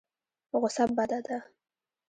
غوسه بده ده.